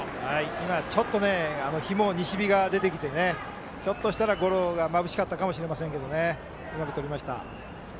今、ちょっと西日が出てきてひょっとしたら、ゴロがまぶしかったかもしれませんがうまくとりました。